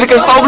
gak ada lagi